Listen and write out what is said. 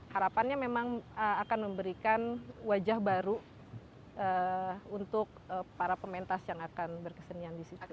harapannya memang akan memberikan wajah baru untuk para pementas yang akan berkesenian di situ